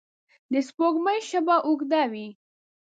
د سپوږمۍ شپه اوږده وي